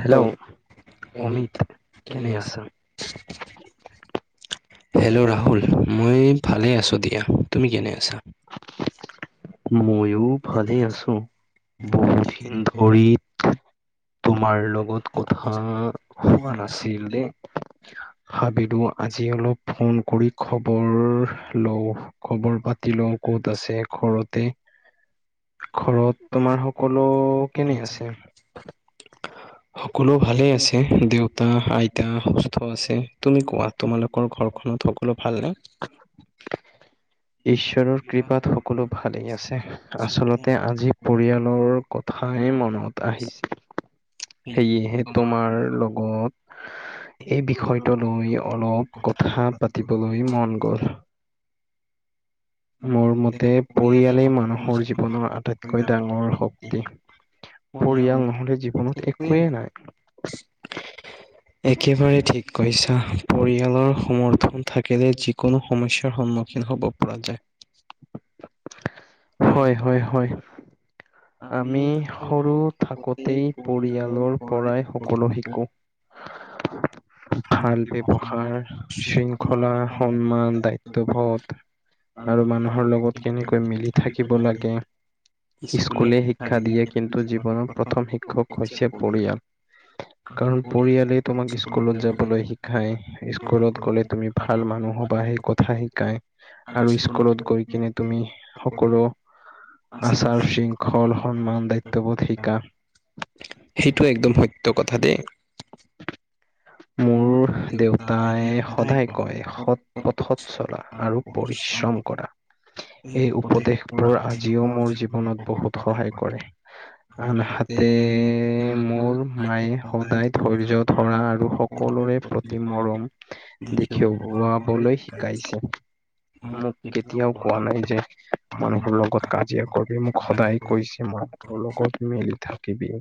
Hello Amit কেনে আছা? Hello Rahul মই ভালে আছোঁ দিয়া, তুমি কেনে আছা? ময়ো ভালে আছোঁ বহুদিন ধৰিত তোমাৰ লগত কথা হোৱা নাছিল দেই। ভাবিলোঁ আজি অলপ ফোন কৰি খবৰ লওঁ। খবৰ পাতি লও ক'ত আছে ঘৰতে ঘৰত তোমাৰ সকলো কেনে আছে? [inaudible] সকলো ভালে আছে দেউতা আইতা সুস্থ আছে তুমি কোৱা তোমালোকৰ ঘৰখনত সকলো ভাল না। [inaudible] ঈশ্বৰৰ কৃপাত সকলো ভালেই আছে আচলতে আজি পৰিয়ালৰ কথাই মনত আহিছে সেয়েহে তোমাৰ লগত এই বিষয়টো লৈ অলপ কথা পাতিবলৈ মন গ'ল। [inaudible] মোৰ মতে পৰিয়ালেই মানুহৰ জীৱনৰ আটাইতকৈ ডাঙৰ শক্তি। পৰিয়াল নহ'লে জীৱনত একোৱেই নাই। একেবাৰে ঠিক কৈছা পৰিয়ালৰ সমৰ্থন থাকিলে যিকোনো সমস্যাৰ সন্মুখীন হ'ব পৰা যায়। হয়, হয়, হয়। আমি সৰু থাকোঁতেই পৰিয়ালৰ পৰাই সকলো শিকো। [inaudible] ভাল ব্যৱহাৰ শৃংখলা সন্মান দায়িত্ববোধ আৰু মানুহৰ লগত কেনেকৈ মিলি থাকিব লাগে। স্কুলে শিক্ষা দিয়ে কিন্তু জীৱনৰ প্ৰথম শিক্ষক হৈছে পৰিয়াল। কাৰণ পৰিয়ালে তোমাক স্কুলত যাবলৈ শিকায় স্কুলত গ'লে তুমি ভাল মানুহ হ বা সেই কথা শিকায়। আৰু স্কুলত গৈ কিনে তুমি সকলো আসান চিং [unintelligible] ঘল সন্মান দায়িত্ববোধ শিকা। সেইটো একদম সত্য কথা দে মোৰ দেউতাই সদায় কয় সৎ পথত চলা আৰু পৰিশ্ৰম কৰা, এই উপদেশবোৰ আজিও মোৰ জীৱনত বহুত সহায় কৰে, আনহাতে মোৰ মায়ে সদায় ধৈৰ্য ধৰা আৰু সকলোৰে প্ৰতি মৰম দেখিওৱাবলৈ শিকাইছে। মোক কেতিয়াও কোৱা নাই যে, মানুহৰ লগত কাজিয়া কৰবি মোক সদায় কৈছে মাইটো লগত মিল থাকিবি।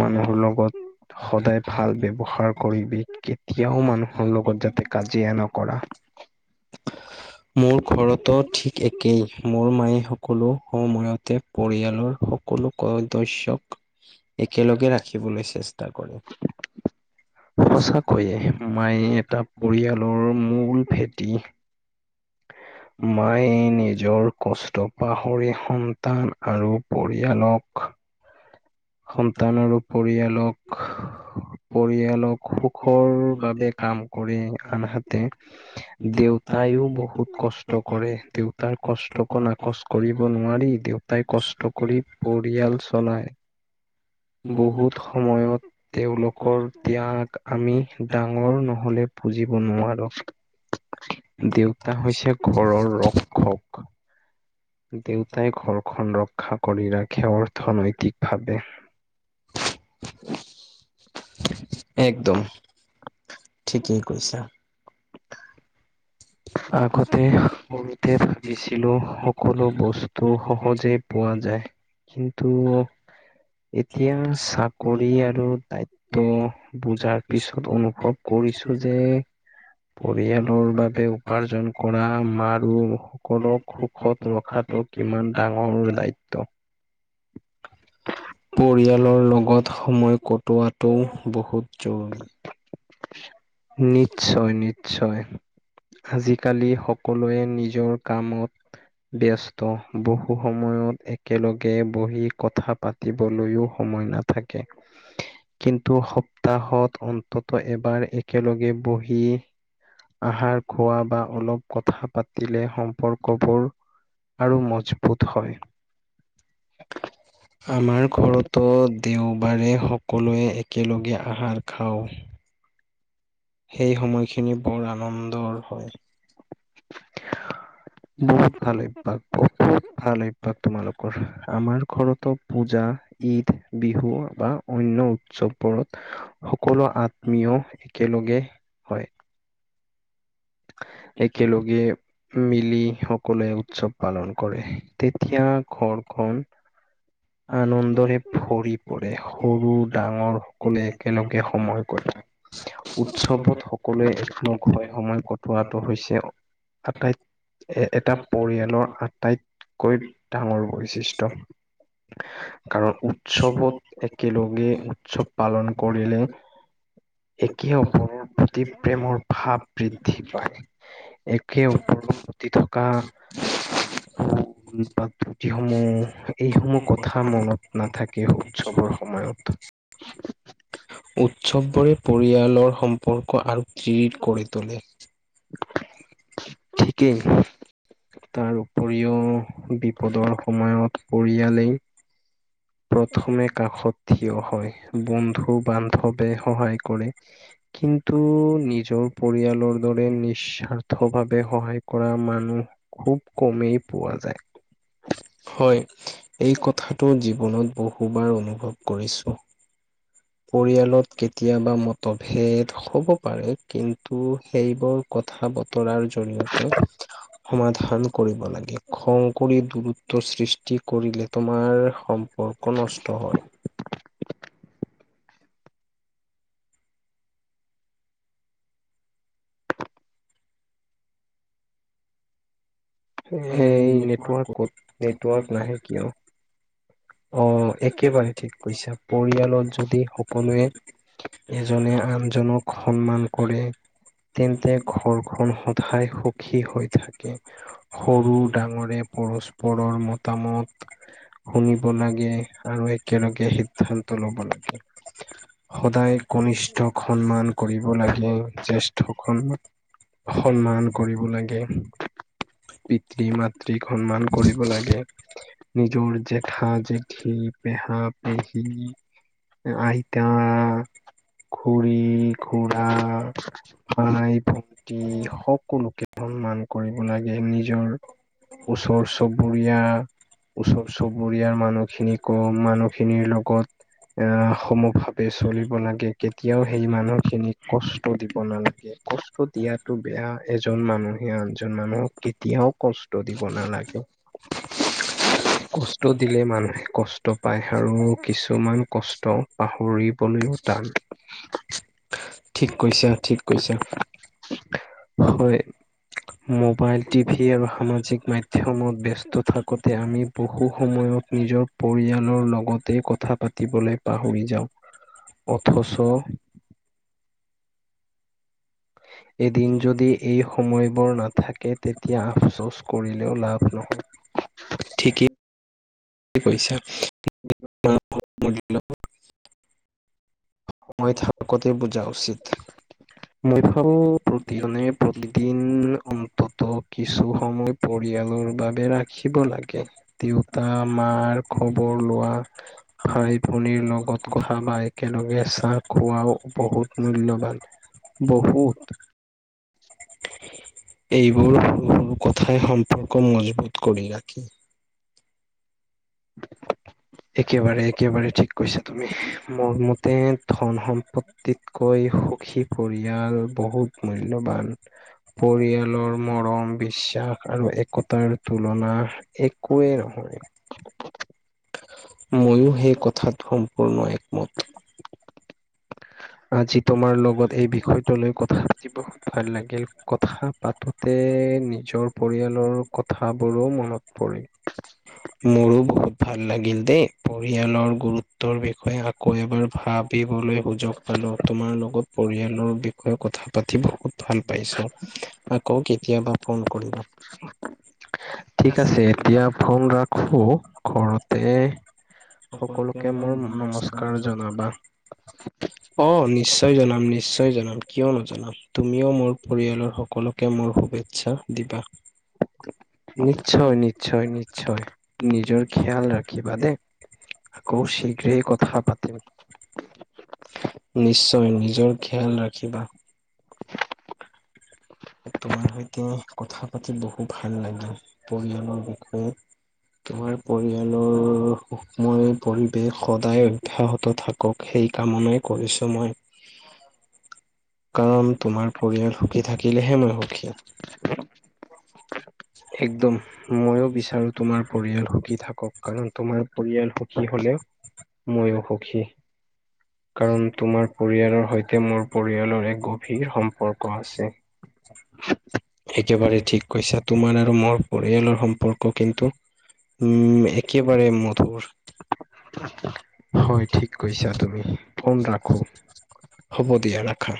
মানুহৰ লগ, লগত সদায় ভাল ব্যৱহাৰ কৰিবি, কেতিয়াও মানুহৰ লগত যাতে কাজিয়া নকৰা। চি [unintelligible] চিতা চিঃ [unintelligible] মোৰ ঘৰতো ঠিক একেই মোৰ মায়ে সকলো সময়তে পৰিয়ালৰ কোনো কৰ দস্যক একেলগে ৰাখিবলে চেষ্টা কৰে। সঁচাকৈয়ে মায়ে এটা পৰিয়ালৰ মূল ভেটি। মায়ে নিজৰ কষ্ট পাহৰি সন ন্তান আৰু পৰিয়ালক সন্তান আৰু পৰিয়ালক, পৰিয়ালক সুখৰ বাবে কাম কৰে। আনহাতে দেউতাইও বহুত কষ্ট কৰে দেউতাৰ কষ্টক নাকচ কৰিব নোৱাৰি। দেউ তাই কষ্ট কৰি পৰিয়াল চলায়। বহুত সময়ত তেওঁলোকৰ ত্যাগ আমি ডাঙৰ নহলে বুজিব নোৱাৰো দেউতা হৈছে ঘৰৰ ৰক্ষক। দেউতাই ঘৰখন ৰক্ষা কৰি ৰাখে অৰ্থনৈতিকভাৱে। একদম, ঠিকেই কৈচা। আগতে কৰতে ভাবিছিলো, সকলো বস্তু সহজে পোৱা যায় কিন্তু এতিয়া চাকৰি আৰু দায়িত্ব বুজাৰ পিছত অনুভৱ কৰিছো যে, পৰিয়ালৰ বাবে উ উপাৰ্জন কৰা মাৰো সকলক সুখত ৰখাটো কিমান ডাঙৰ দায়িত্ব। হ্ [inaudible] পৰিয়ালৰ লগত সময় কটোৱাটো বহুত জৰুৰী। নিশ্চয়-নিশ্চয়, আজিকালি সকলোৱে নিজৰ কামত ব্যস্ত। বহু সময়ত এক একেলগে বহি কথা পাতিবলৈও সময় নাথাকে। কিন্তু সপ্তাহত অন্তত এবাৰ একেলগে বহি আহাৰ খোৱা বা অলপ কথা পাতিলে, সম্পৰ্কবোৰ আৰু মজবুত হয়। আমাৰ ঘৰতো দেওবাৰে সকলোৱে একেলগে আহাৰ খাওঁ। সেই সময়খিনি বৰ আনন্দৰ হয়। বহুত ভাল অভ্যাস, বহুত ভাল অভ্যাস তোমালোকৰ। আমাৰ ঘৰতৰতো পূজা ঈদ, বিহু বা অন্য উৎসৱবোৰত সকলো আত্মীয়ই, একেলগে হয়। এেই ল [unintelligible] মিলি সকলোৱে উৎসৱ পালন কৰে। তেতিয়া ঘৰখন আনন্দৰে ভৰি পৰে। সৰু ডাঙৰ সকলে একেলগে সময় কটাই। উৎসৱত সকলোৱে একলগ হৈ সময় কটোৱাটো হৈছে আটাইতকৈ, এ এটা পৰিয়ালৰ আটাইতকৈ ডাঙৰ বৈশিষ্ট্য। কাৰণ উৎসৱত একেলগে উৎসৱ পালন কৰিলে একে ওপৰৰ প্ৰতি প্ৰেমৰ ভাৱ বৃদ্ধি পায়। একে ওপৰ প্ৰতি থকা [unintelligible] বা যিসমূহ এইসমূহ কথা মনত নাথাকে উৎসৱৰ সময়ত [unintelligible] উৎসৱবোৰে পৰিয়ালৰ সম্পৰ্ক আৰু ধিৰ কৰি তোলে। ঠিকেই। তাৰ উপৰিও বিপদৰ সময়ত পৰিয়ালেই প্ৰথমে কাষত থিয় হয় বন্ধু বান্ধৱে সহায় কৰে। কিন্তু নিজৰ পৰিয়ালৰ দৰে নিস্বাৰ্থ ভাৱে সহায় কৰা মানুহ খুব কমেই পোৱা যায়। হয় এই কথাটো জীৱনত বহুবাৰ অনুভৱ কৰিছোঁ। পৰিয়ালত কেতিয়াবা মতভেদ হ'ব পাৰে। কিন্তু সেইবোৰ কথা বতৰাৰ জৰিয়তে সমাধান কৰিব লাগে খং কৰি দূৰত সৃষ্টি কৰিলে তোমাৰ সম্পৰ্ক নষ্ট হয়। হে নেটৱৰ্কত নেটৱৰ্ক নাহে কিয়? অ', একেবাৰে ঠিক কৈছা পৰিয়ালত যদি সকলোৱে এজনে আনজনক সন্মান কৰে। তেন্তে ঘৰখন সদায় সুখী হৈ থাকে। সৰু ডাঙৰে পৰস্পৰৰ মতামত শুনি লাগে আৰু একেলগে সিদ্ধান্ত ল'ব লাগে। সদায় কনিষ্ঠক সন্মান কৰিব লাগে জ্যেষ্ঠ সকলক সন্মান কৰিব লাগে। পিতৃ মাতৃক সন্মান কৰিব লাগে নিজৰ জেঠা জেঠী পেহা প এইহি আইতা খৰি [unintelligible] খুৰা ভাই ভন্তি সকলোকে। সন্মান কৰিব লাগে নিজৰ ওচৰ চুবুৰীয়া ওচৰ চুবুৰীয়াৰ মানুহখিনিকো মানুহখিনিৰ লগত আহ সমভাৱে চলিব লাগে কেতিয়াও সেই মানুহ খিনিক কষ্ট দিব নালাগে। কষ্ট দিয়াতো বেয়া এজন মানুহে আনজন মানুহক এতিয়াও কষ্ট দিব নালাগে। কষ্ট দিলে মানুহে কষ্ট পায় আৰু কিছুমান কষ্ট পাহৰিবলৈও টান। ঠিক কৈছা, ঠিক কৈছা। হয়, মোব মোবাইল টিভি আৰু সামাজিক মাধ্যমত ব্যস্ত থাকোতে আমি বহু সময়ত নিজৰ পৰিয়ালৰ লগতে কথা পাতিবলৈ পাহৰি যাওঁ অথচ হয় [unintelligible] এদিন যদি এই সময়বোৰ নাথাকে তেতিয়া আফচোচ কৰিলেও লাভ নহয়। ঠিকেই। কৈছা। [inaudible] মই থাকোতে বুজা উচিত। মই ভাল প্ৰতিজনে প্ৰতিদিন অন্তত কিছু সময় পৰিয়ালৰ বাবে ৰাখিব লাগে দেউতা মাৰ খবৰ লোৱা ভাই ভনীৰ লগত খহা বাই একেলগে চাহ খোৱাও বহুত মূল্যবান ব এইবোৰৰু [unintelligible] কথাই সম্পৰ্ক মজবুত কৰি ৰাখি একেবাৰে একেবাৰে ঠিক কৈছা তুমি মোৰ মতে ধন সম্পতি তকৈ সুখী পৰিয়াল বহুত মূল্যবান পৰিয়ালৰ মৰম বিশ্বাস আৰু একতাৰ তুলনা একোৱেই নহয় মইয়ো সেই কথাত সম্পূৰ্ণ একমত [inaudible] আজি তোমাৰ লগত এই বিষয়টো লৈ কথা পাতি বহুত ভাল লাগিল কথা পাতত তে নিজৰ পৰিয়ালৰ কথাবোৰো মনত পৰিল মোৰো বহুত ভাল লাগিল দেই পৰিয়ালৰ গুৰুত্ব বিষয়ে আকৌ এবাৰ ভাবিবলৈ সুযোগ পালো তোমাৰ লগত পৰিয়ালৰ কথা পাতি বহুত ভাল পাইছো আকৌ কেতিয়াবা কোন কৰিবা ঠিক আছে এতিয়া ফোন ৰাখো ঘৰতে সকলে নমস্কাৰ জন আহ নিশ্চয় জনাল নিশ্চয় জনাম কিয় নজনাম তুমিও মোৰ পৰিয়ালৰ সকলোকে মোৰ শুভেচ্ছা দিবা [inaudible] নিশ্চয় নিশ্চয় নিশ্চয় নিজৰ খিয়াল ৰাখিবা দে আকৌ শীঘ্ৰেই কথা পাতিম নিশ্চয় নিজৰ খিয়াল ৰাখিবা তোমাৰ সৈতে কথা পাতি বহু ভাল লাগে পৰিয়ালৰ বিষু তোমাৰ পৰিয়ালৰ সুক্ষ্ময় পৰিৱেশ সদায় উদ্যান থাকক সেই কামনা কৰিছো মই কাৰণ তোমাৰ পৰিয়াল সুখী থাকিলেহে মই সুখী একদম মইয়ো বিচাৰোঁ তোমাৰ পৰিয়াল সুখী থাকক কাৰণ তোমাৰ পৰিয়াল সুখী হলেও মইয়ো সুখী কাৰণ তোমাৰ পৰিয়ালৰ সৈতে মোৰ পৰিয়ালৰ এক গভীৰ সম্প সম্পৰ্ক আছে একেবাৰে ঠিক কৈছা তোমাৰ আৰু মোৰ পৰিয়ালৰ সম্পৰ্ক কিন্তু উম একেবাৰে মধুৰ হয় ঠিক কৈছা তুমি ফোন ৰাখো হ'ব দিয়া ৰাখা